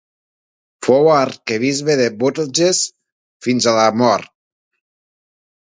Fou arquebisbe de Bourges fins a la mort.